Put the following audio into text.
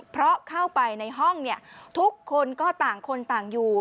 เพราะเข้าไปในห้องทุกคนก็ต่างคนต่างอยู่